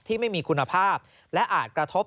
ที่ไม่มีคุณภาพและอาจกระทบ